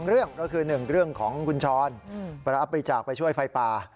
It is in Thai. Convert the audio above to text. เรื่องก็คือ๑เรื่องของคุณชรไปรับบริจาคไปช่วยไฟป่า